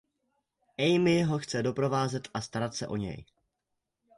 Amy ho chce doprovázet a starat se o něj.